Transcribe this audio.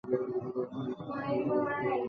কিন্তু এই নাম্বার কীভাবে পাবেন?